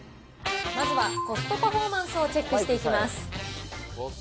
まずはコストパフォーマンスをチェックしていきます。